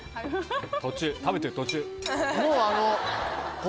途中食べてる途中。